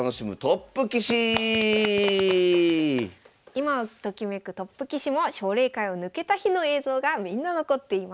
今をときめくトップ棋士も奨励会を抜けた日の映像がみんな残っています。